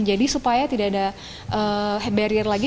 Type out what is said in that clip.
jadi supaya tidak ada barrier lagi